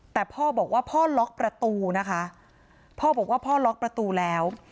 แต่พ่อบอกว่าพ่อล็อกประตูนะคะพ่อบอกว่าพ่อล็อกประตูแล้ว